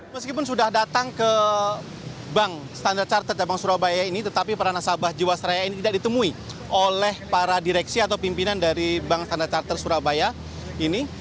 meskipun sudah datang ke bank standard chartered bank surabaya ini tetapi para nasabah jiwasraya ini tidak ditemui oleh para direksi atau pimpinan dari bank standard chartered bank surabaya ini